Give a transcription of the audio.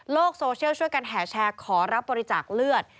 โซเชียลช่วยกันแห่แชร์ขอรับบริจาคเลือด